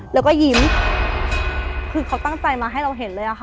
แล้วก็ยิ้มคือเขาตั้งใจมาให้เราเห็นเลยอะค่ะ